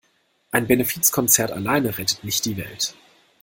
Ein Benefizkonzert alleine rettet nicht die Welt.